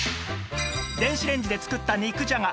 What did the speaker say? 電子レンジで作った肉じゃが